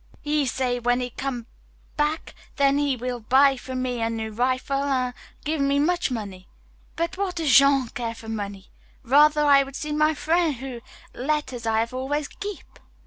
He say when he come back, then he will buy for me a new rifle an' give me much money. But what does Jean care for money? Rather I would see my frien' whose letter I have always keep."